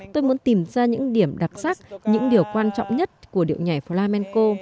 tôi muốn tìm ra những điểm đặc sắc những điều quan trọng nhất của điệu nhảy flamenco